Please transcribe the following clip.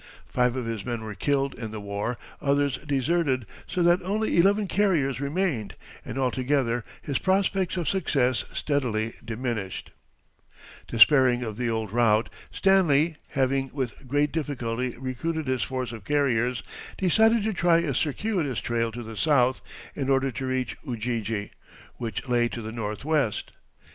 Five of his men were killed in the war, others deserted, so that only eleven carriers remained, and altogether his prospects of success steadily diminished. [Illustration: Map showing Position and Boundaries of the Congo State.] Despairing of the old route, Stanley, having with great difficulty recruited his force of carriers, decided to try a circuitous trail to the south in order to reach Ujiji, which lay to the northwest.